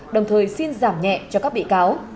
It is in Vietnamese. đồng thời xin giảm nhẹ cho các bị cáo